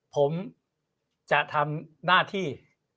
ผมจะทำหน้าที่